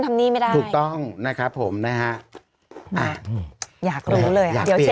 ทำนี่ไม่ได้ถูกต้องนะครับผมนะฮะอ่ะอยากรู้เลยอ่ะเดี๋ยว